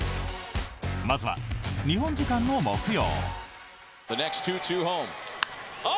まずは、日本時間の木曜。